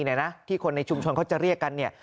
เนี่ยนะที่คนในชุมชนเขาจะเรียกกันเนี่ย